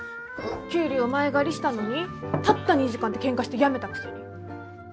給料前借りしたのにたった２時間でケンカして辞めたくせに。